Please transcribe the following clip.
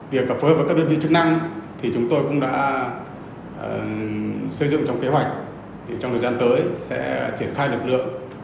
việc phối hợp với các đơn vị chức năng thì chúng tôi cũng đã xây dựng trong kế hoạch trong thời gian tới sẽ triển khai lực lượng